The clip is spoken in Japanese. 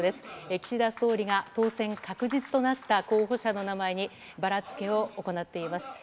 岸田総理が当選確実となった候補者の名前にバラつけを行っています。